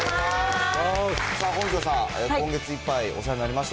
さあ、本上さん、今月いっぱいお世話になりました、